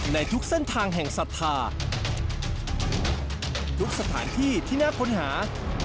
ในทุกเส้นทางแห่งศรัทธาทุกสถานที่ที่น่าค้นหา